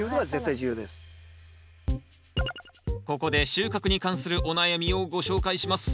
ここで収穫に関するお悩みをご紹介します。